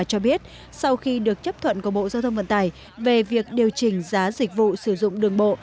cho biết sau khi được chấp thuận của bộ giao thông vận tải về việc điều chỉnh giá dịch vụ sử dụng đường bộ